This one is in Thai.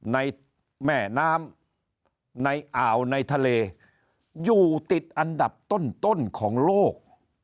ในแม่น้ำในอ่าวในทะเลอยู่ติดอันดับต้นของโลก